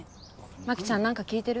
牧ちゃん何か聞いてる？